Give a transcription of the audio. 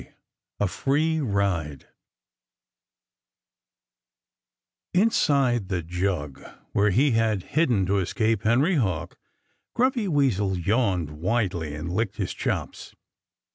XX A FREE RIDE Inside the jug, where he had hidden to escape Henry Hawk, Grumpy Weasel yawned widely and licked his chops.